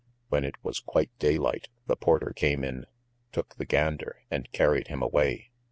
When it was quite daylight, the porter came in, took the gander, and carried him away.